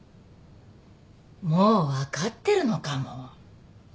もう分かってるのかも。